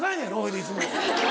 いつも。